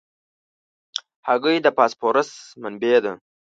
هګۍ د فاسفورس منبع ده.